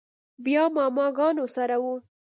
بيا ماما ګانو سره و.